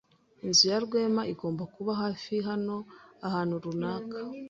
Inzu ya Rwema igomba kuba hafi hano ahantu runaka.